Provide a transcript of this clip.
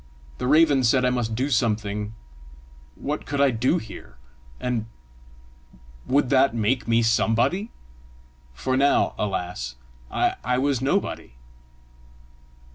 The raven said I must do something: what could I do here? And would that make me somebody? for now, alas, I was nobody!